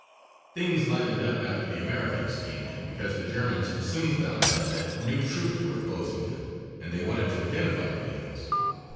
Things livened up after the Americans came in because the Germans soon found out that new troops were opposing them and they wanted to identify the units.